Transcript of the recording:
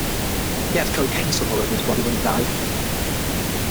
He had cocaine stuck all over his body when he died.